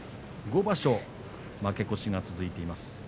５場所、負け越しが続いています。